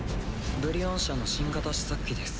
「ブリオン社」の新型試作機です。